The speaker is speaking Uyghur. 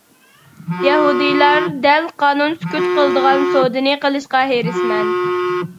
يەھۇدىيلار دەل قانۇن سۈكۈت قىلىدىغان سودىنى قىلىشقا ھېرىسمەن.